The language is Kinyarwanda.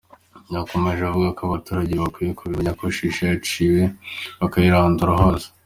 Yakomeje avuga ko abaturage bakwiye kubimenya ko shisha yaciwe bakayirandura hose.